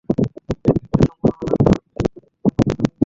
এই মিশন সম্পূর্ণ হওয়ার আগপর্যন্ত এই মহিলাকে বাহিরে যেতে বলবেন।